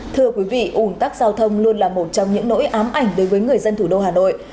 thưa quý vị ủn tắc giao thông luôn là một trong những nỗi ám ảnh đối với người dân thủ đô hà nội